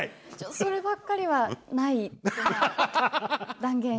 そればっかりはないと断言して。